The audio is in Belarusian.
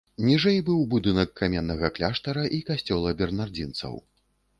Ніжэй быў будынак каменнага кляштара і касцёла бернардзінцаў.